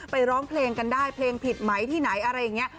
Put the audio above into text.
ร้องเพลงกันได้เพลงผิดไหมที่ไหนอะไรอย่างนี้